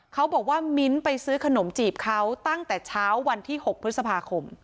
เขาบอกว่ามิ้นท์ไปซื้อขนมจีบเขาตั้งแต่เช้าวันที่๖พฤษภาคม